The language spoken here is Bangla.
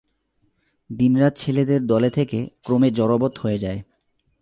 দিনরাত ছেলের দলে থেকে ক্রমে জড়বৎ হয়ে যায়।